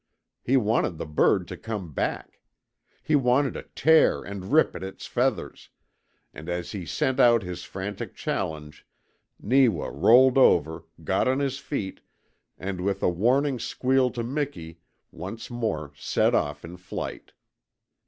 He wanted the bird to come back. He wanted to tear and rip at its feathers, and as he sent out his frantic challenge Neewa rolled over, got on his feet, and with a warning squeal to Miki once more set off in flight.